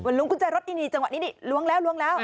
เหมือนล้วงกุญแจรถนี่นี่จังหวัดนี้ดิล้วงแล้วล้วงแล้ว